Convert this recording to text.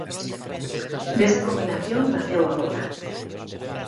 Desa combinación naceu a obra.